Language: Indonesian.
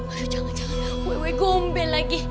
aduh jangan jangan wewe gombe lagi